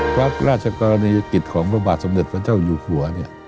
ความราชกรณียกฤตของประบาทสำเร็จพระเจ้าอยู่หัว